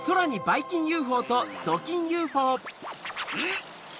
ん？